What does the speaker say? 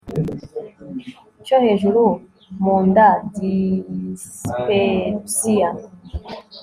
cyo hejuru mu nda dyspepsia